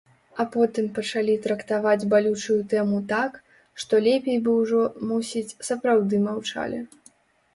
А потым пачалі трактаваць балючую тэму так, што лепей бы ўжо, мусіць, сапраўды маўчалі.